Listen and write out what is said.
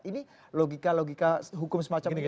ini logika logika hukum semacam ini